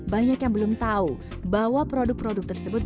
banyak yang belum tahu bahwa produk produk tersebut